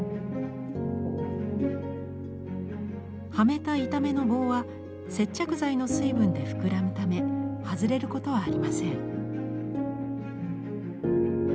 はめた板目の棒は接着剤の水分で膨らむため外れることはありません。